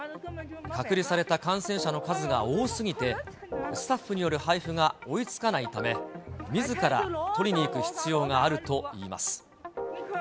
隔離された感染者の数が多すぎて、スタッフによる配布が追いつかないため、みずから取りに行く必要があるといいます。